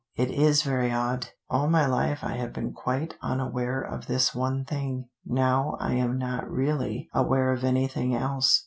It is very odd: all my life I have been quite unaware of this one thing, now I am not really aware of anything else.